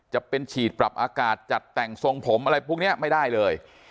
จะเป็นฉีดปรับอากาศจัดแต่งทรงผมอะไรพวกนี้ไม่ได้เลย